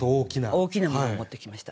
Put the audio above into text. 大きなものを持ってきました。